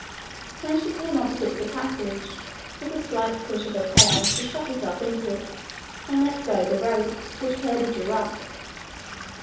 When she came opposite the passage, with a slight push of her tail she shot herself into it, and let go the rope, which Curdie drew up.